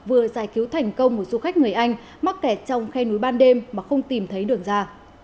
vừa giải cứu thành công một du khách người anh mắc kẹt trong khe núi ban đêm mà không tìm thấy đường ra